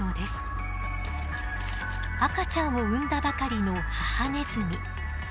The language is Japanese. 赤ちゃんを産んだばかりの母ネズミ。